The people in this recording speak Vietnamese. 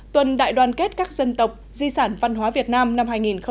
tuần đại đoàn kết các dân tộc di sản văn hóa việt nam năm hai nghìn một mươi chín